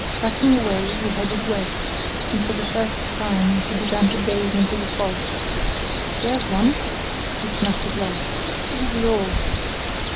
Backing away, we headed west, and for the first time he began to gaze into the fog. "There's one!" he snapped at last. "Easy all!"